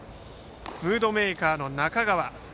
ムードメーカーの中川。